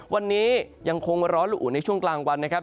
วันนี้ยังคงร้อนละอุ่นในช่วงกลางวันนะครับ